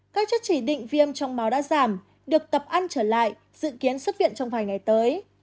các chất chỉ định viêm trong máu đã giảm được tập ăn trở lại dự kiến xuất viện trong vài ngày tới